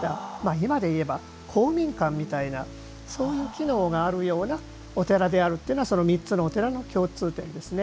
今で言えば、公民館みたいなそういう機能があるようなお寺であるというのはその３つのお寺の共通点ですね。